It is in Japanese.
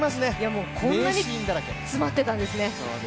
もうこんなに詰まってたんですね。